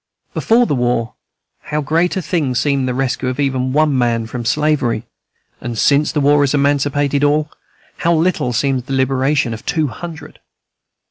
Before the war, how great a thing seemed the rescue of even one man from slavery; and since the war has emancipated all, how little seems the liberation of two hundred!